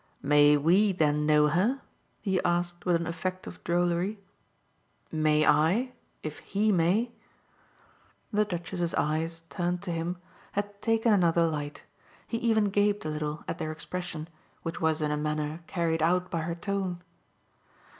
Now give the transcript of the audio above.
"May WE then know her?" he asked with an effect of drollery. "May I if HE may?" The Duchess's eyes, turned to him, had taken another light. He even gaped a little at their expression, which was in a manner carried out by her tone.